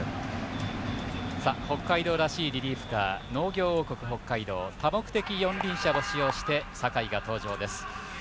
北海道らしいリリーフカー農業王国北海道多目的四輪者を使って酒居が登場です。